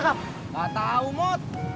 gak tau mot